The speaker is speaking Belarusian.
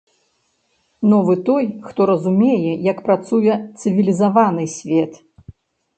Новы той, хто разумее, як працуе цывілізаваны свет.